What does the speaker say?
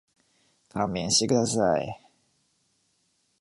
勘弁してください。